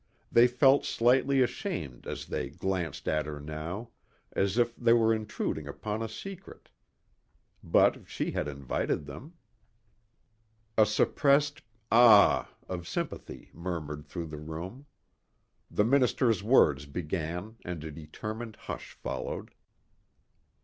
They felt slightly ashamed as they glanced at her now, as if they were intruding upon a secret. But she had invited them. A suppressed "Ah!" of sympathy murmured through the room. The minister's words began and a determined hush followed.